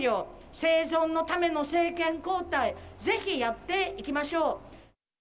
生存のための政権交代、ぜひやっていきましょう。